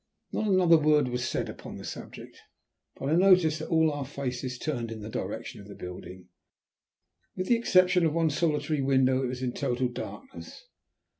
Not another word was said upon the subject, but I noticed that all our faces turned in the direction of the building. With the exception of one solitary window it was in total darkness.